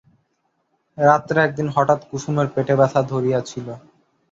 রাত্রে একদিন হঠাৎ কুসুমের পেটের ব্যথা ধরিয়াছিল।